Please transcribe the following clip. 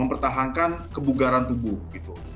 mempertahankan kebugaran tubuh gitu